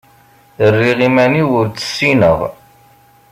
Rriɣ iman-iw ur tt-ssineɣ.